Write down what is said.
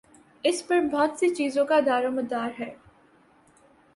اس پر بہت سی چیزوں کا دارومدار ہے۔